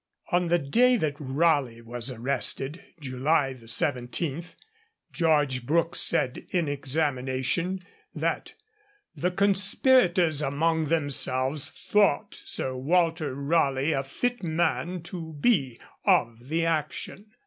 On the day that Raleigh was arrested, July 17, George Brooke said in examination that 'the conspirators among themselves thought Sir Walter Raleigh a fit man to be of the action.'